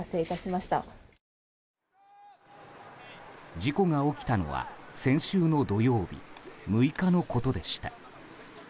事故が起きたのは先週の土曜日６日のことでした。